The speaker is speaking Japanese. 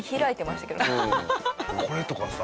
これとかさ